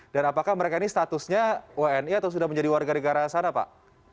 dan apakah mereka ini statusnya wni atau sudah menjadi warga negara sana pak